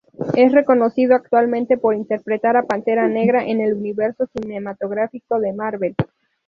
Es reconocido actualmente por interpretar a Pantera Negra, en el "Universo cinematográfico de Marvel".